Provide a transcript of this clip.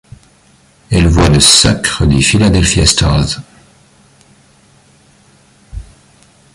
Elle voit le sacre des Philadelphia Stars.